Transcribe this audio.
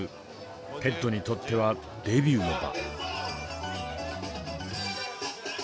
テッドにとってはデビューの場。